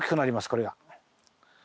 これが。